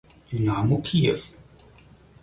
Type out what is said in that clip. Dynamo Kiew